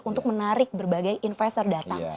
untuk menarik berbagai investor datang